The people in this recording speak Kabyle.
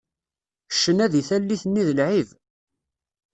Ccna di tallit nni d lεib.